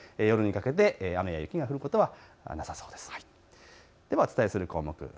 夜にかけて雨が降ることはなさそうです、ではお伝えする項目